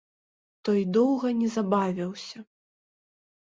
Той доўга не забавіўся.